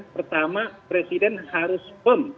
pertama presiden harus firm